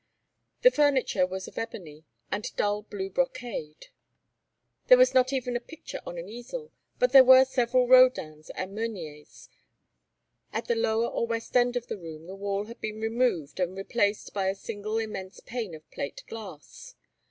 The furniture was of ebony and dull blue brocade. There was not even a picture on an easel, but there were several Rodins and Meuniers. At the lower or west end of the room the wall had been removed and replaced by a single immense pane of plate glass.